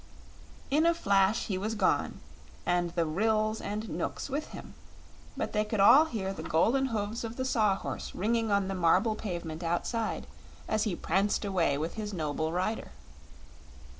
In a flash he was gone, and the Ryls and Knooks with him; but they could all hear the golden hoofs of the Saw Horse ringing on the marble pavement outside, as he pranced away with his noble rider.